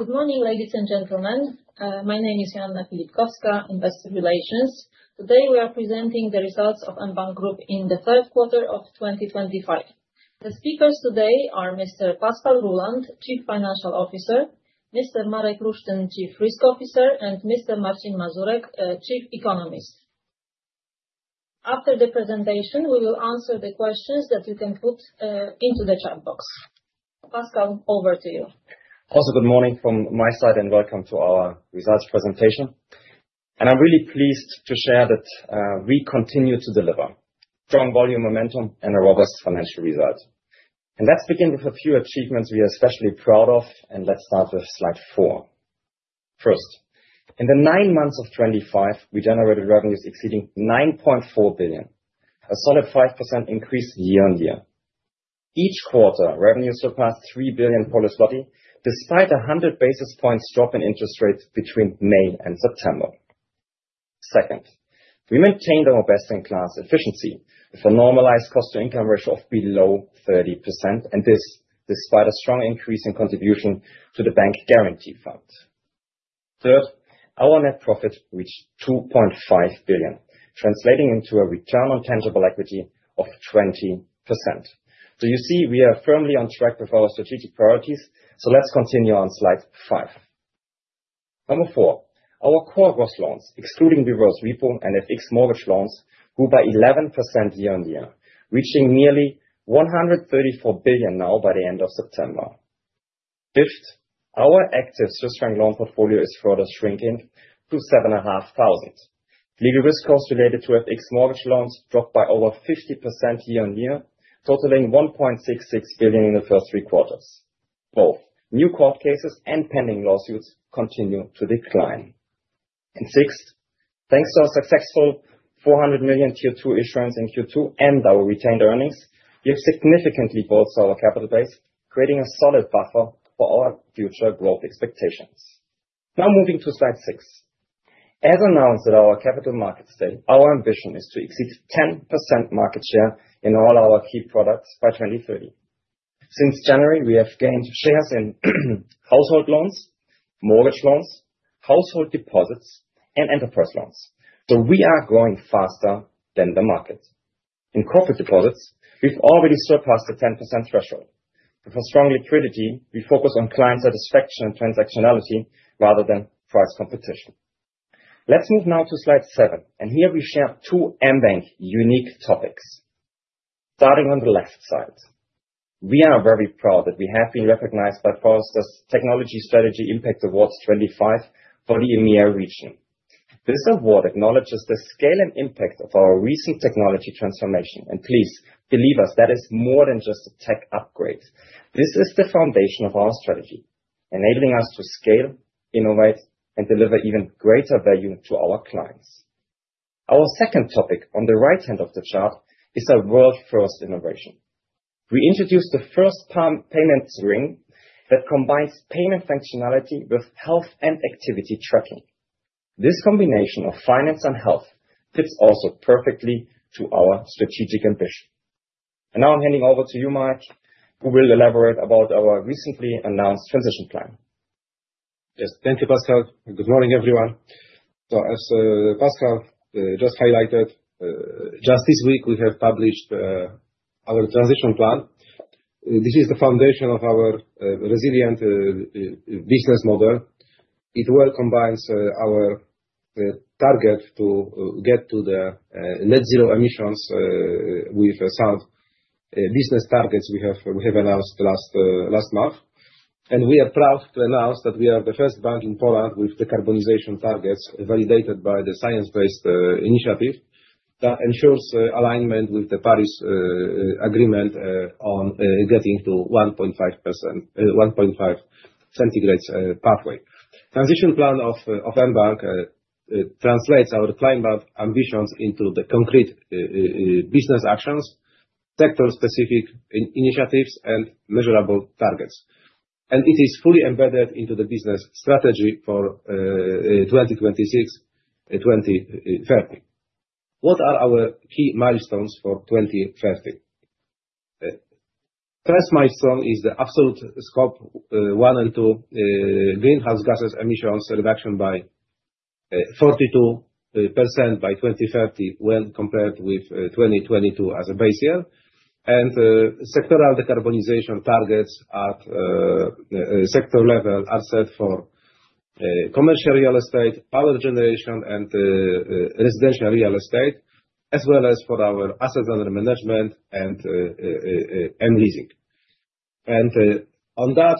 Good morning, ladies and gentlemen. My name is Joanna Filipkowska, Investor Relations. Today we are presenting the results of mBank Group in Third Quarter of 2025. The speakers today are Mr. Pascal Ruhland, Chief Financial Officer, Mr. Marek Lusztyn, Chief Risk Officer, and Mr. Marcin Mazurek, Chief Economist. After the presentation, we will answer the questions that you can put into the chat box. Pascal, over to you. Also, good morning from my side and welcome to our results presentation. And I'm really pleased to share that we continue to deliver strong volume momentum and a robust financial result. And let's begin with a few achievements we are especially proud of, and let's start with slide four. First, in the nine months of 2025, we generated revenues exceeding 9.4 billion, a solid 5% increase year on year. Each quarter, revenues surpassed 3 billion, despite a 100 basis points drop in interest rates between May and September. Second, we maintained our best-in-class efficiency with a normalized cost-to-income ratio of below 30%, and this despite a strong increase in contribution to the Bank Guarantee Fund. Third, our net profit reached 2.5 billion, translating into a return on tangible equity of 20%. So you see, we are firmly on track with our strategic priorities, so let's continue on slide five. Number four, our core gross loans, excluding reverse repo and FX mortgage loans, grew by 11% year on year, reaching nearly 134 billion now by the end of September. Fifth, our active Swiss franc loan portfolio is further shrinking to 7,500. Legal risk costs related to FX mortgage loans dropped by over 50% year on year, totaling 1.66 billion in the first three quarters. Both new court cases and pending lawsuits continue to decline. And sixth, thanks to our successful 400 million Tier II capital in Q2 and our retained earnings, we have significantly bolstered our capital base, creating a solid buffer for our future growth expectations. Now moving to slide six. As announced at our Capital Markets Day, our ambition is to exceed 10% market share in all our key products by 2030. Since January, we have gained shares in household loans, mortgage loans, household deposits, and enterprise loans, so we are growing faster than the market. In corporate deposits, we've already surpassed the 10% threshold. With a strong liquidity, we focus on client satisfaction and transactionality rather than price competition. Let's move now to slide seven, and here we share two mBank unique topics. Starting on the left side, we are very proud that we have been recognized by Forrester's Technology Strategy Impact Award 2025 for the EMEA region. This award acknowledges the scale and impact of our recent technology transformation, and please believe us, that is more than just a tech upgrade. This is the foundation of our strategy, enabling us to scale, innovate, and deliver even greater value to our clients. Our second topic on the right hand of the chart is a world-first innovation. We introduced the first payment ring that combines payment functionality with health and activity tracking. This combination of finance and health fits also perfectly to our strategic ambition, and now I'm handing over to you, Marek, who will elaborate about our recently announced transition plan. Yes, thank you, Pascal. Good morning, everyone. So as Pascal just highlighted, just this week, we have published our transition plan. This is the foundation of our resilient business model. It well combines our target to get to the net zero emissions with some business targets we have announced last month. And we are proud to announce that we are the first bank in Poland with the decarbonization targets validated by the Science Based Targets initiative that ensures alignment with the Paris Agreement on getting to 1.5 degrees Celsius pathway. The transition plan of mBank translates our climate ambitions into the concrete business actions, sector-specific initiatives, and measurable targets. And it is fully embedded into the business strategy for 2026-2030. What are our key milestones for 2030? First milestone is the absolute Scope 1 and 2 greenhouse gas emissions reduction by 42% by 2030 when compared with 2022 as a base year. Sectoral decarbonization targets at sector level are set for commercial real estate, power generation, and residential real estate, as well as for our assets under management and leasing. On that,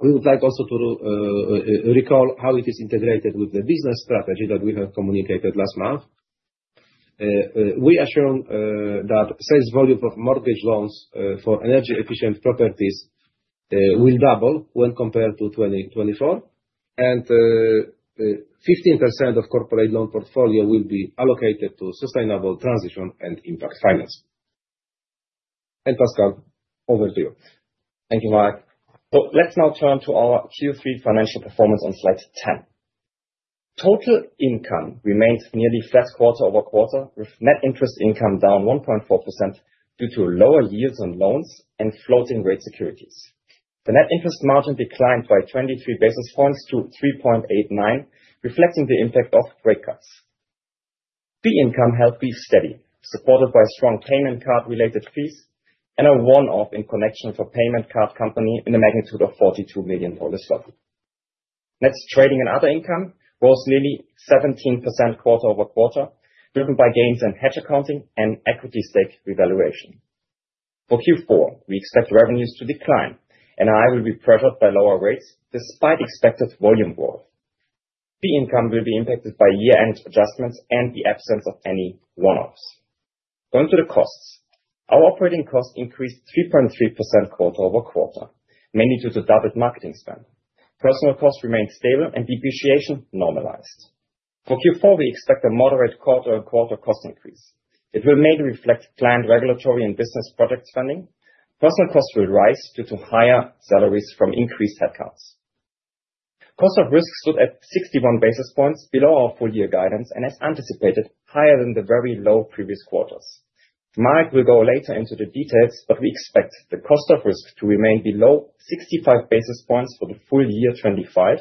we would like also to recall how it is integrated with the business strategy that we have communicated last month. We assume that sales volume of mortgage loans for energy-efficient properties will double when compared to 2024, and 15% of corporate loan portfolio will be allocated to sustainable transition and impact finance. Pascal, over to you. Thank you, Marek. So let's now turn to our Q3 financial performance on slide 10. Total income remained nearly flat quarter over quarter, with net interest income down 1.4% due to lower yields on loans and floating rate securities. The net interest margin declined by 23 basis points to 3.89, reflecting the impact of rate cuts. Fee income held to be steady, supported by strong payment card-related fees and a one-off in connection for payment card company in the magnitude of PLN 42 million. Net trading and other income rose nearly 17% quarter over quarter, driven by gains in hedge accounting and equity stake revaluation. For Q4, we expect revenues to decline, and I will be pressured by lower rates despite expected volume growth. Fee income will be impacted by year-end adjustments and the absence of any one-offs. Going to the costs, our operating cost increased 3.3% quarter over quarter, mainly due to double marketing spend. Personal costs remained stable and depreciation normalized. For Q4, we expect a moderate quarter-on-quarter cost increase. It will mainly reflect planned regulatory and business project spending. Personal costs will rise due to higher salaries from increased headcounts. Cost of risk stood at 61 basis points below our full-year guidance and, as anticipated, higher than the very low previous quarters. Marek will go later into the details, but we expect the cost of risk to remain below 65 basis points for the full year 2025,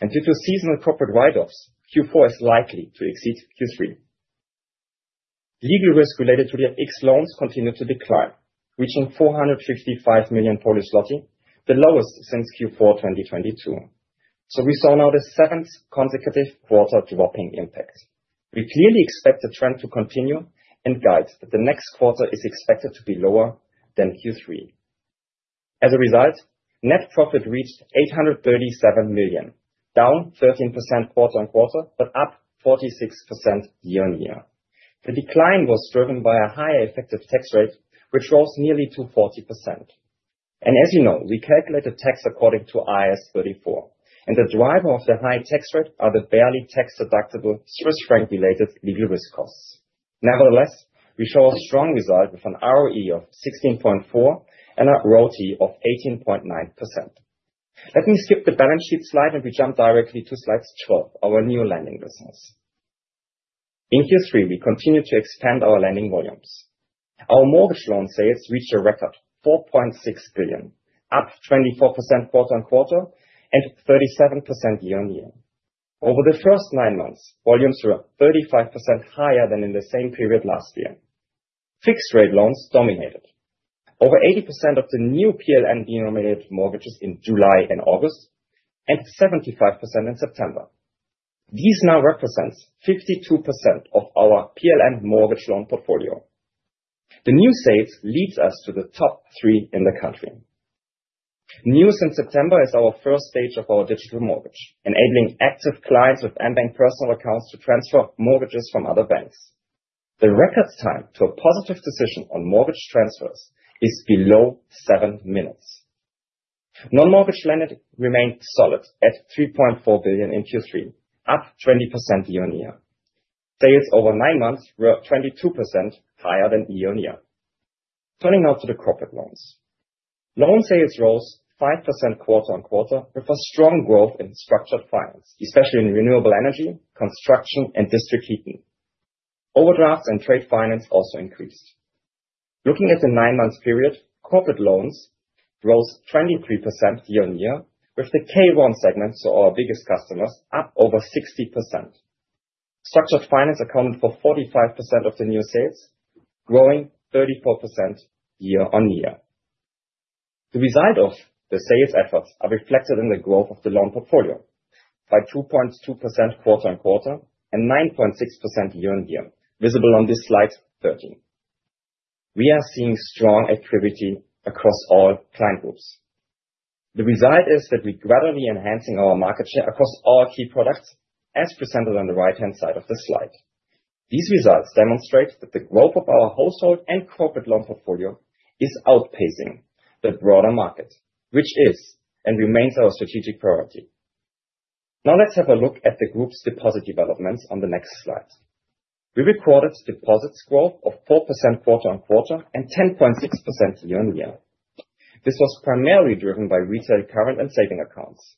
and due to seasonal corporate write-offs, Q4 is likely to exceed Q3. Legal risk related to the FX loans continued to decline, reaching 455 million Polish zloty, the lowest since Q4 2022, we saw now the seventh consecutive quarter dropping impact. We clearly expect the trend to continue and guide that the next quarter is expected to be lower than Q3. As a result, net profit reached 837 million, down 13% quarter on quarter, but up 46% year on year. The decline was driven by a higher effective tax rate, which rose nearly to 40%, and as you know, we calculate the tax according to IAS 34, and the driver of the high tax rate are the barely tax-deductible Swiss franc-related legal risk costs. Nevertheless, we show a strong result with an ROE of 16.4% and a ROTE of 18.9%. Let me skip the balance sheet slide and we jump directly to slide 12, our new lending business. In Q3, we continue to expand our lending volumes. Our mortgage loan sales reached a record 4.6 billion, up 24% quarter on quarter and 37% year on year. Over the first nine months, volumes were 35% higher than in the same period last year. Fixed rate loans dominated, over 80% of the new PLN-denominated mortgages in July and August, and 75% in September. These now represent 52% of our PLN mortgage loan portfolio. The new sales leads us to the top three in the country. News in September is our first stage of our digital mortgage, enabling active clients with mBank personal accounts to transfer mortgages from other banks. The record time to a positive decision on mortgage transfers is below seven minutes. Non-mortgage lending remained solid at 3.4 billion in Q3, up 20% year on year. Sales over nine months were 22% higher than year on year. Turning now to the corporate loans, loan sales rose 5% quarter on quarter with a strong growth in structured finance, especially in renewable energy, construction, and district heating. Overdrafts and trade finance also increased. Looking at the nine-month period, corporate loans rose 23% year on year, with the K1 segment, so our biggest customers, up over 60%. Structured finance accounted for 45% of the new sales, growing 34% year on year. The result of the sales efforts is reflected in the growth of the loan portfolio by 2.2% quarter on quarter and 9.6% year on year, visible on this slide 13. We are seeing strong activity across all client groups. The result is that we're gradually enhancing our market share across all key products, as presented on the right-hand side of the slide. These results demonstrate that the growth of our household and corporate loan portfolio is outpacing the broader market, which is and remains our strategic priority. Now let's have a look at the group's deposit developments on the next slide. We recorded deposits growth of 4% quarter on quarter and 10.6% year on year. This was primarily driven by retail current and savings accounts.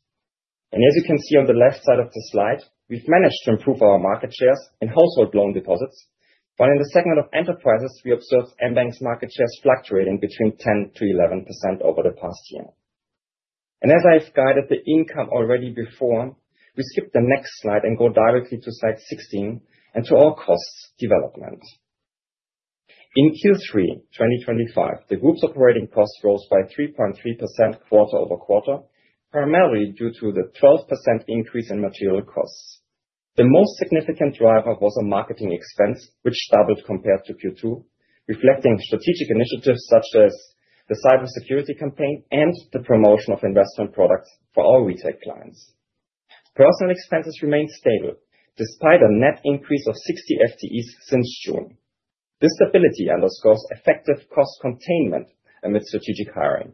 As you can see on the left side of the slide, we've managed to improve our market shares in household loan deposits, but in the segment of enterprises, we observed mBank's market shares fluctuating between 10%-11% over the past year. As I've guided the income already before, we skip the next slide and go directly to slide 16 and to our cost development. In Q3 2025, the group's operating cost rose by 3.3% quarter over quarter, primarily due to the 12% increase in material costs. The most significant driver was a marketing expense, which doubled compared to Q2, reflecting strategic initiatives such as the cybersecurity campaign and the promotion of investment products for our retail clients. Personal expenses remained stable despite a net increase of 60 FTEs since June. This stability underscores effective cost containment amid strategic hiring.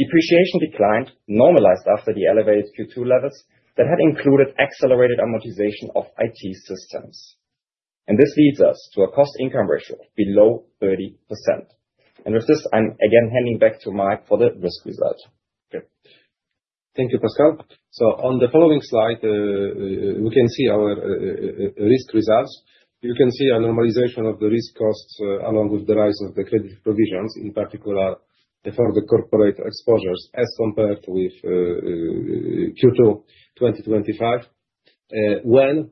Depreciation declined, normalized after the elevated Q2 levels that had included accelerated amortization of IT systems. And this leads us to a cost-income ratio of below 30%. And with this, I'm again handing back to Marek for the risk result. Thank you, Pascal. So on the following slide, we can see our risk results. You can see a normalization of the risk costs along with the rise of the credit provisions, in particular for the corporate exposures as compared with Q2 2025. When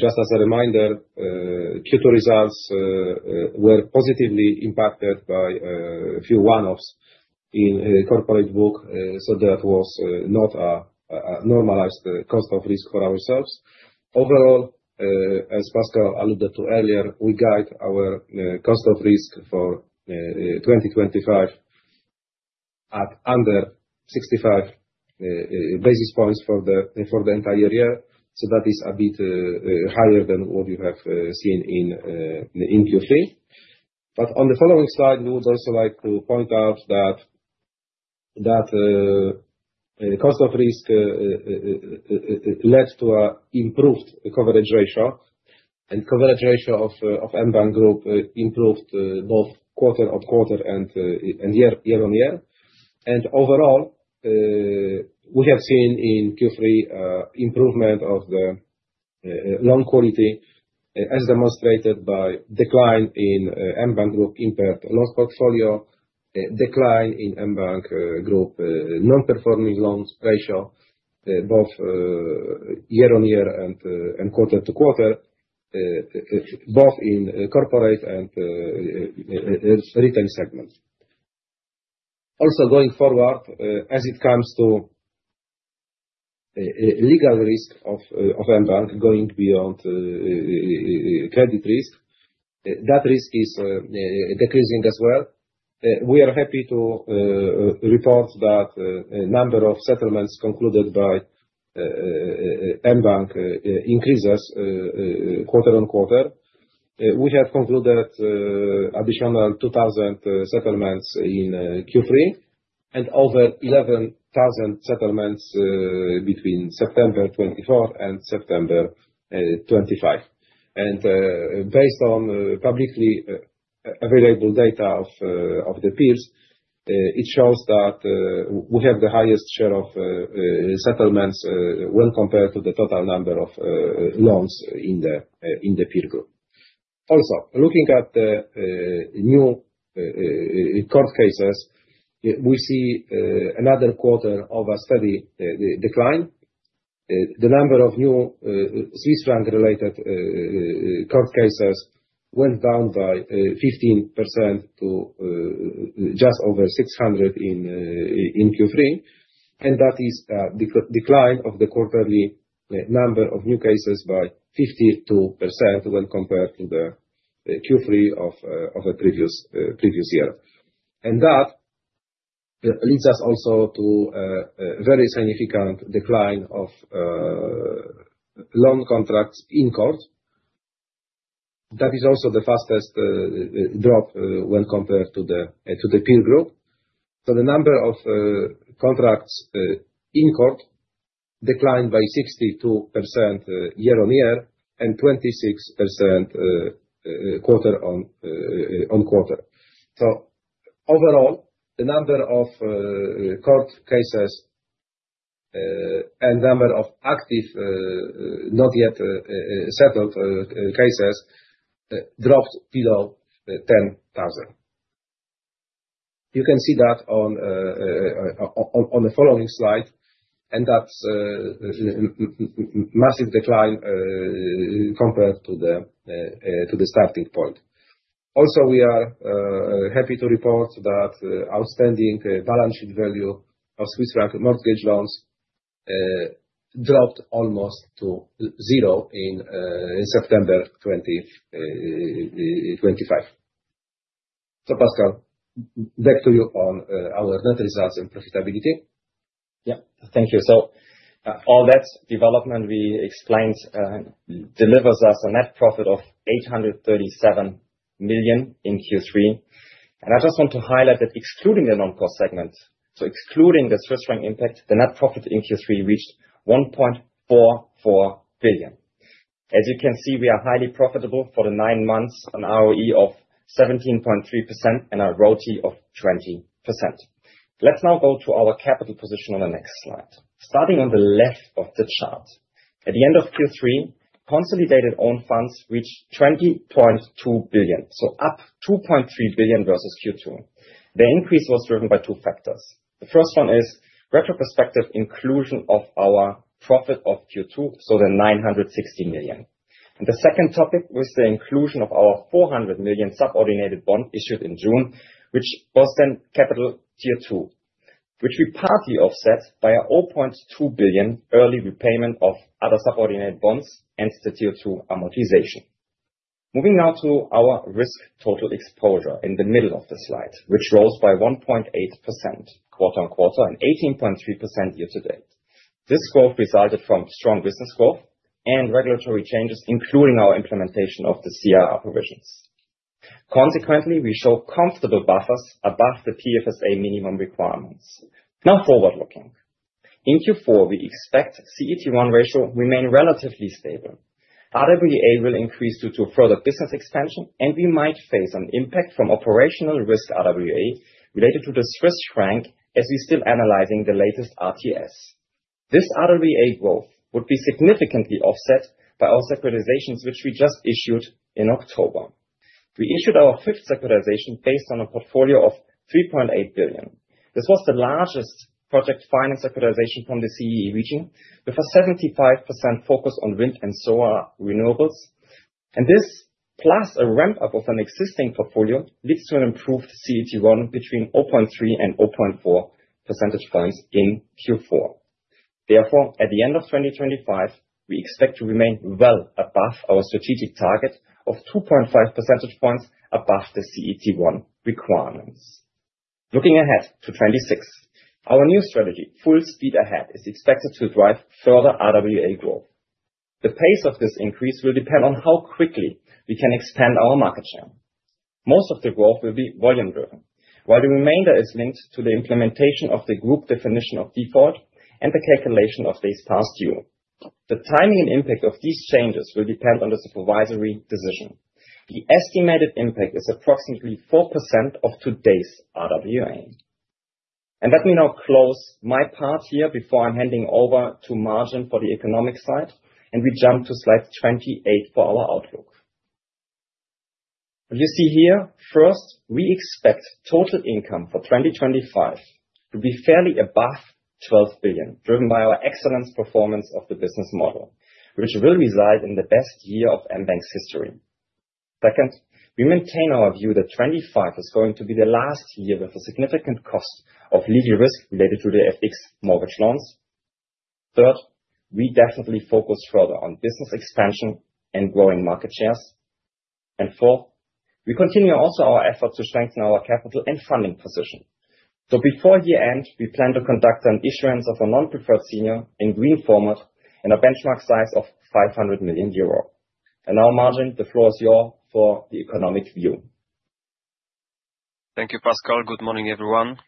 just as a reminder, Q2 results were positively impacted by a few one-offs in corporate book, so that was not a normalized cost of risk for ourselves. Overall, as Pascal alluded to earlier, we guide our cost of risk for 2025 at under 65 basis points for the entire year. So that is a bit higher than what you have seen in Q3. But on the following slide, we would also like to point out that cost of risk led to an improved coverage ratio, and the coverage ratio of mBank Group improved both quarter on quarter and year on year. And overall, we have seen in Q3 improvement of the loan quality as demonstrated by decline in mBank Group impaired loan portfolio, decline in mBank Group non-performing loans ratio both year on year and quarter to quarter, both in corporate and retail segments. Also going forward, as it comes to legal risk of mBank going beyond credit risk, that risk is decreasing as well. We are happy to report that the number of settlements concluded by mBank increases quarter on quarter. We have concluded additional 2,000 settlements in Q3 and over 11,000 settlements between September 2024 and September 2025. And based on publicly available data of the peers, it shows that we have the highest share of settlements when compared to the total number of loans in the peer group. Also, looking at the new court cases, we see another quarter of a steady decline. The number of new Swiss franc-related court cases went down by 15% to just over 600 in Q3, and that is a decline of the quarterly number of new cases by 52% when compared to the Q3 of a previous year, and that leads us also to a very significant decline of loan contracts in court. That is also the fastest drop when compared to the peer group, so the number of contracts in court declined by 62% year on year and 26% quarter on quarter, so overall, the number of court cases and the number of active not yet settled cases dropped below 10,000. You can see that on the following slide, and that's a massive decline compared to the starting point. Also, we are happy to report that outstanding balance sheet value of Swiss franc mortgage loans dropped almost to zero in September 2025. So Pascal, back to you on our net results and profitability. Yeah, thank you. So all that development we explained delivers us a net profit of 837 million in Q3. And I just want to highlight that excluding the non-core segment, so excluding the Swiss franc impact, the net profit in Q3 reached 1.44 billion. As you can see, we are highly profitable for the nine months on ROE of 17.3% and a ROTE of 20%. Let's now go to our capital position on the next slide. Starting on the left of the chart, at the end of Q3, consolidated own funds reached 20.2 billion, so up 2.3 billion versus Q2. The increase was driven by two factors. The first one is retrospective inclusion of our profit of Q2, so the 960 million. The second topic was the inclusion of our 400 million subordinated bond issued in June, which was then Tier II capital, which we partly offset by a 0.2 billion early repayment of other subordinated bonds and the Tier II amortization. Moving now to our risk total exposure in the middle of the slide, which rose by 1.8% quarter on quarter and 18.3% year to date. This growth resulted from strong business growth and regulatory changes, including our implementation of the CRR provisions. Consequently, we show comfortable buffers above the PFSA minimum requirements. Now forward-looking, in Q4, we expect CET1 ratio to remain relatively stable. RWA will increase due to further business expansion, and we might face an impact from operational risk RWA related to the Swiss franc as we're still analyzing the latest RTS. This RWA growth would be significantly offset by our securitizations, which we just issued in October. We issued our fifth securitization based on a portfolio of 3.8 billion. This was the largest project finance securitization from the CEE region with a 75% focus on wind and solar renewables. And this, plus a ramp-up of an existing portfolio, leads to an improved CET1 between 0.3 and 0.4 percentage points in Q4. Therefore, at the end of 2025, we expect to remain well above our strategic target of 2.5 percentage points above the CET1 requirements. Looking ahead to 2026, our new strategy, Full Speed Ahead, is expected to drive further RWA growth. The pace of this increase will depend on how quickly we can expand our market share. Most of the growth will be volume-driven, while the remainder is linked to the implementation of the group definition of default and the calculation of this past year. The timing and impact of these changes will depend on the supervisory decision. The estimated impact is approximately 4% of today's RWA, and let me now close my part here before I'm handing over to Marcin for the economic side, and we jump to slide 28 for our outlook. What you see here, first, we expect total income for 2025 to be fairly above 12 billion, driven by our excellent performance of the business model, which will reside in the best year of mBank's history. Second, we maintain our view that 2025 is going to be the last year with a significant cost of legal risk related to the FX mortgage loans. Third, we definitely focus further on business expansion and growing market shares. And fourth, we continue also our effort to strengthen our capital and funding position. So before year-end, we plan to conduct an issuance of a non-preferred senior in green format and a benchmark size of 500 million euro. And now, Marcin, the floor is yours for the economic view. Thank you, Pascal. Good morning, everyone.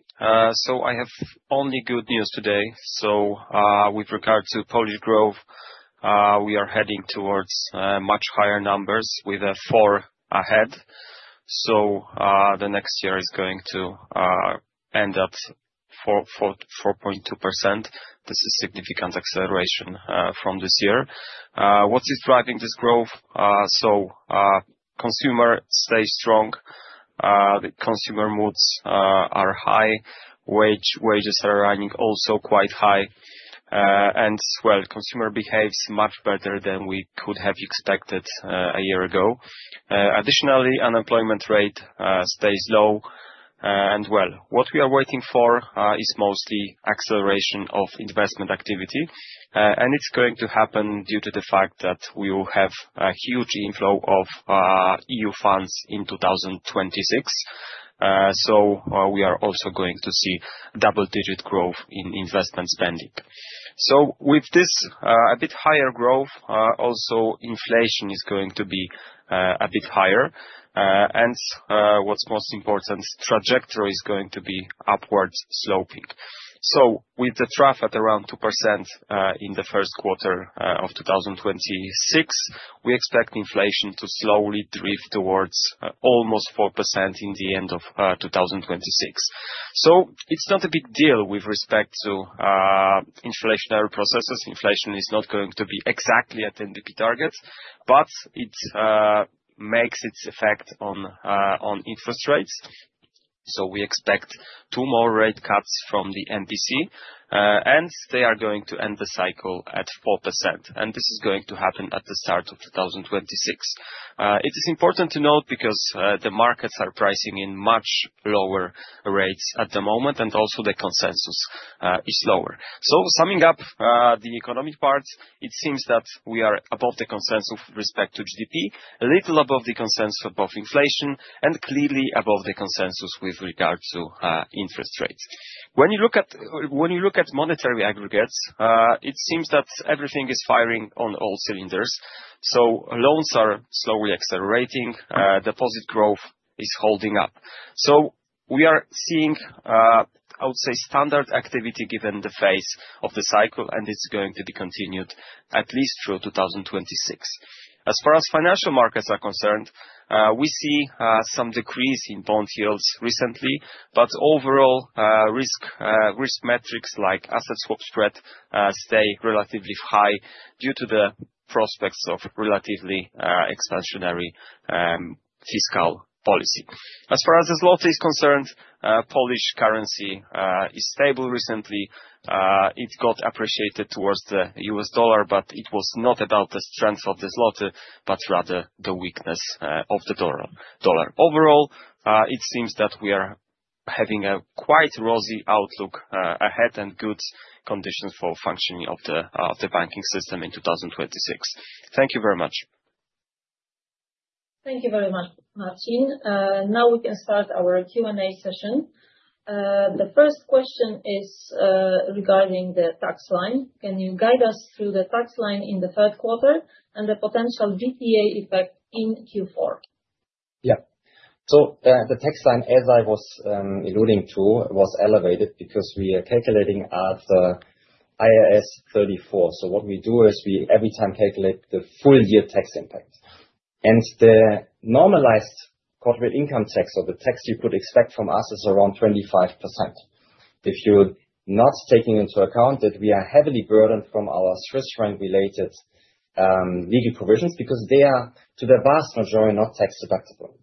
So I have only good news today. So with regard to Polish growth, we are heading towards much higher numbers with a four ahead. So the next year is going to end at 4.2%. This is a significant acceleration from this year. What is driving this growth? So consumer stays strong. Consumer moods are high. Wages are running also quite high. And well, consumer behaves much better than we could have expected a year ago. Additionally, unemployment rate stays low. And well, what we are waiting for is mostly acceleration of investment activity. And it's going to happen due to the fact that we will have a huge inflow of EU funds in 2026. So we are also going to see double-digit growth in investment spending. So with this a bit higher growth, also inflation is going to be a bit higher. What's most important, trajectory is going to be upward sloping. With the trough at around 2% in the first quarter of 2026, we expect inflation to slowly drift towards almost 4% in the end of 2026. It's not a big deal with respect to inflationary processes. Inflation is not going to be exactly at NBP targets, but it makes its effect on interest rates. We expect two more rate cuts from the MPC, and they are going to end the cycle at 4%. This is going to happen at the start of 2026. It is important to note because the markets are pricing in much lower rates at the moment, and also the consensus is lower. So summing up the economic part, it seems that we are above the consensus with respect to GDP, a little above the consensus above inflation, and clearly above the consensus with regard to interest rates. When you look at monetary aggregates, it seems that everything is firing on all cylinders. So loans are slowly accelerating. Deposit growth is holding up. So we are seeing, I would say, standard activity given the phase of the cycle, and it's going to be continued at least through 2026. As far as financial markets are concerned, we see some decrease in bond yields recently, but overall, risk metrics like asset swap spread stay relatively high due to the prospects of relatively expansionary fiscal policy. As far as the zloty is concerned, Polish currency is stable recently. It got appreciated towards the U.S. dollar, but it was not about the strength of the zloty, but rather the weakness of the dollar. Overall, it seems that we are having a quite rosy outlook ahead and good conditions for functioning of the banking system in 2026. Thank you very much. Thank you very much, Marcin. Now we can start our Q&A session. The first question is regarding the tax line. Can you guide us through the tax line in the third quarter and the potential DTA effect in Q4? Yeah. So the tax line, as I was alluding to, was elevated because we are calculating at the IAS 34. So what we do is we every time calculate the full year tax impact. And the normalized corporate income tax, or the tax you could expect from us, is around 25%. If you're not taking into account that we are heavily burdened from our Swiss franc-related legal provisions because they are, to the vast majority, not tax deductible.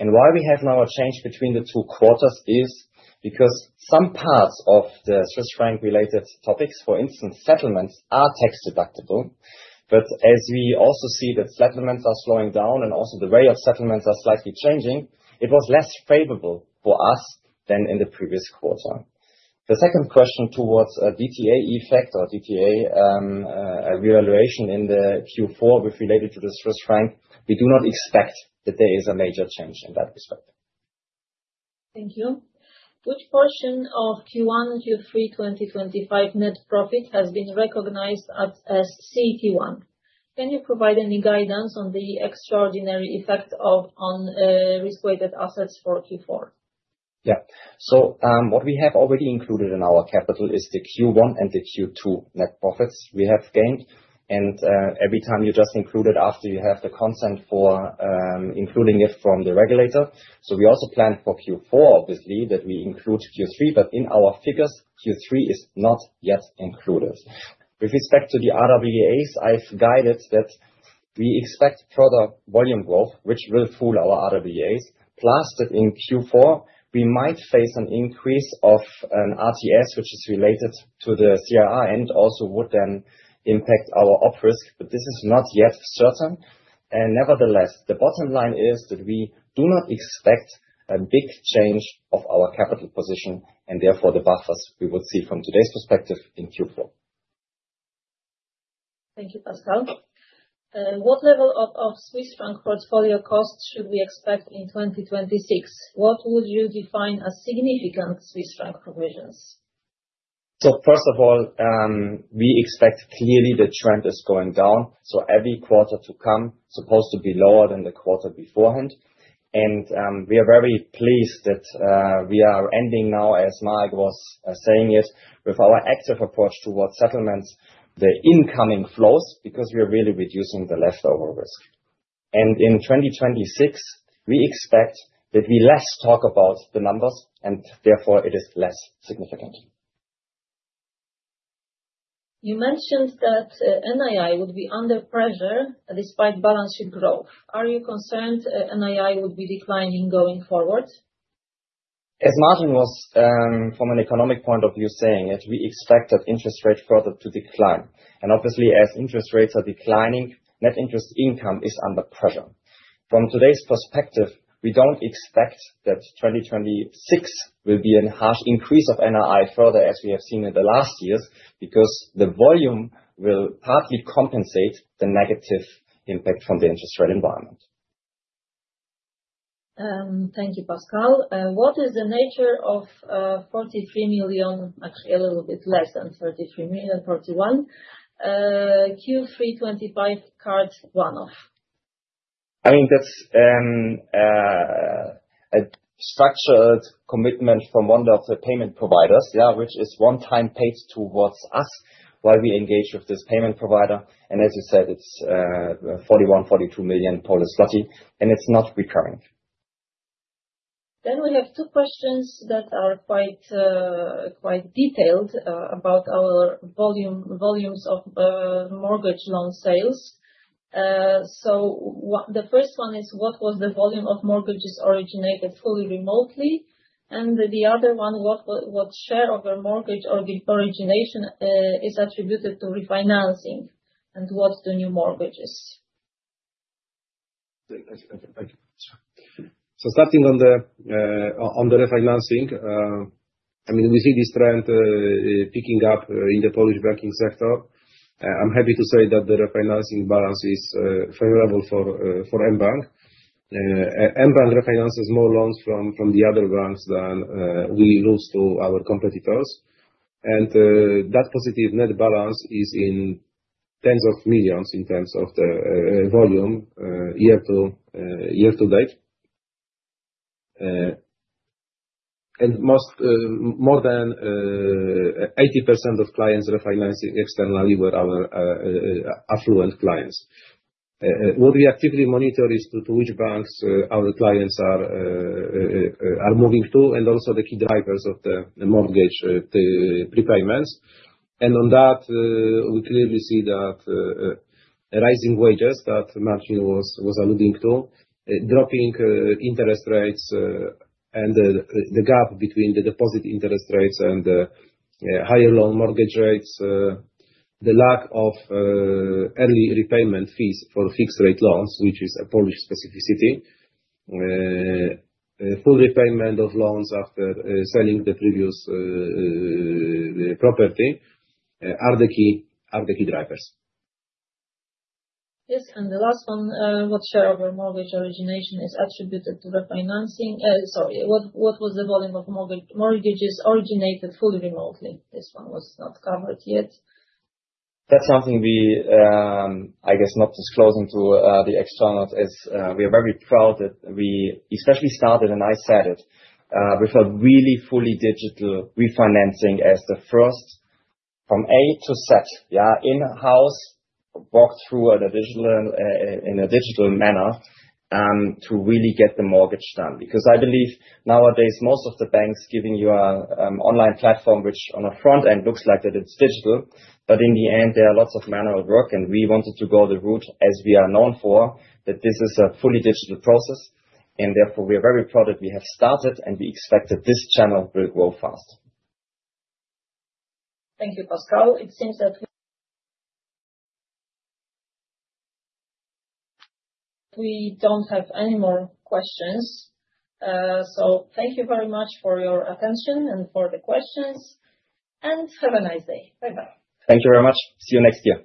And why we have now a change between the two quarters is because some parts of the Swiss franc-related topics, for instance, settlements, are tax deductible. But as we also see that settlements are slowing down and also the rate of settlements are slightly changing, it was less favorable for us than in the previous quarter. The second question toward a DTA effect or DTA revaluation in the Q4 with relation to the Swiss franc. We do not expect that there is a major change in that respect. Thank you. Which portion of Q1 and Q3 2025 net profit has been recognized as CET1? Can you provide any guidance on the extraordinary effect on risk-weighted assets for Q4? Yeah. So what we have already included in our capital is the Q1 and the Q2 net profits we have gained, and every time you just include it after you have the consent for including it from the regulator, so we also plan for Q4, obviously, that we include Q3, but in our figures, Q3 is not yet included. With respect to the RWAs, I've guided that we expect further volume growth, which will fuel our RWAs, plus that in Q4, we might face an increase of an RTS, which is related to the CRR and also would then impact our op risk, but this is not yet certain, and nevertheless, the bottom line is that we do not expect a big change of our capital position and therefore the buffers we would see from today's perspective in Q4. Thank you, Pascal. What level of Swiss franc portfolio costs should we expect in 2026? What would you define as significant Swiss franc provisions? First of all, we expect clearly the trend is going down. Every quarter to come is supposed to be lower than the quarter beforehand. We are very pleased that we are ending now, as Marek was saying it, with our active approach towards settlements, the incoming flows, because we are really reducing the leftover risk. In 2026, we expect that we less talk about the numbers, and therefore it is less significant. You mentioned that NII would be under pressure despite balance sheet growth. Are you concerned NII would be declining going forward? As Marcin was, from an economic point of view, saying it, we expect that interest rate further to decline. And obviously, as interest rates are declining, net interest income is under pressure. From today's perspective, we don't expect that 2026 will be a harsh increase of NII further as we have seen in the last years because the volume will partly compensate the negative impact from the interest rate environment. Thank you, Pascal. What is the nature of 43 million, actually a little bit less than 33 million, 41 million, Q3 2025 card one-off? I mean, that's a structured commitment from one of the payment providers, yeah, which is one-time paid towards us while we engage with this payment provider. And as you said, it's 41-42 million Polish złoty, and it's not recurring. Then we have two questions that are quite detailed about our volumes of mortgage loan sales. So the first one is, what was the volume of mortgages originated fully remotely? And the other one, what share of your mortgage origination is attributed to refinancing and what's the new mortgages? So starting on the refinancing, I mean, we see this trend picking up in the Polish banking sector. I'm happy to say that the refinancing balance is favorable for mBank. mBank refinances more loans from the other banks than we lose to our competitors. And that positive net balance is in tens of millions in terms of the volume year-to-date. And more than 80% of clients refinancing externally were our affluent clients. What we actively monitor is to which banks our clients are moving to and also the key drivers of the mortgage prepayments. And on that, we clearly see that rising wages that Marcin was alluding to, dropping interest rates, and the gap between the deposit interest rates and the higher loan mortgage rates, the lack of early repayment fees for fixed-rate loans, which is a Polish specificity, full repayment of loans after selling the previous property, are the key drivers. Yes. And the last one, what share of your mortgage origination is attributed to refinancing? Sorry, what was the volume of mortgages originated fully remotely? This one was not covered yet. That's something we're, I guess, not disclosing to the externals, as we are very proud that we especially started, and I said it, with a really fully digital refinancing as the first from A to Z, yeah, in-house, walked through in a digital manner to really get the mortgage done. Because I believe nowadays most of the banks giving you an online platform, which on the front end looks like that it's digital, but in the end, there are lots of manual work. And we wanted to go the route, as we are known for, that this is a fully digital process. And therefore, we are very proud that we have started, and we expect that this channel will grow fast. Thank you, Pascal. It seems that we don't have any more questions. So thank you very much for your attention and for the questions. And have a nice day. Bye-bye. Thank you very much. See you next year.